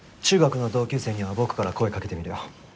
中学の同級生には僕から声かけてみるよ。